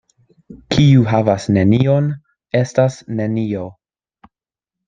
Kiu havas nenion, estas nenio.